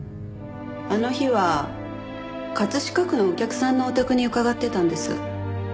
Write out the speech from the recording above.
あの日は飾区のお客さんのお宅に伺ってたんです。